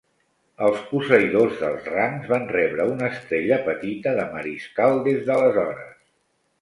Els posseïdors dels rangs van rebre una estrella petita de mariscal des d'aleshores.